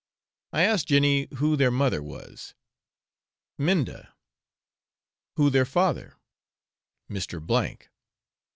I asked Jenny who their mother was. 'Minda.' 'Who their father?' 'Mr. K